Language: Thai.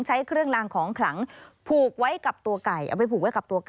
ใช้เครื่องรางของขลังผูกไว้กับตัวไก่